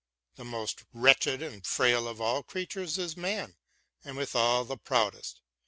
The most wretched and frail of all creatures is man, and withal the proudest.